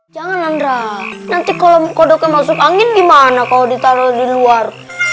jangan andra nanti kalau kodoknya masuk angin gimana kalau ditaruh di luar